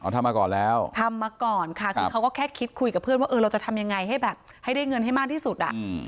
ทำมาก่อนแล้วทำมาก่อนค่ะคือเขาก็แค่คิดคุยกับเพื่อนว่าเออเราจะทำยังไงให้แบบให้ได้เงินให้มากที่สุดอ่ะ